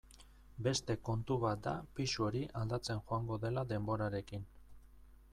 Beste kontu bat da pisu hori aldatzen joango dela denborarekin.